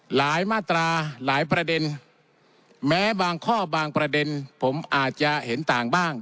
มาตราหลายประเด็นแม้บางข้อบางประเด็นผมอาจจะเห็นต่างบ้าง